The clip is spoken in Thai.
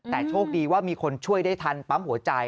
แต่โชคดีว่ามีคนช่วยได้ทันปั๊มหัวใจ